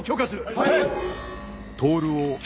はい！